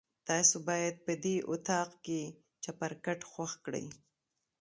تاسو باید په دې اطاق کې چپرکټ خوښ کړئ.